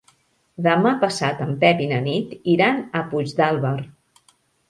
Demà passat en Pep i na Nit iran a Puigdàlber.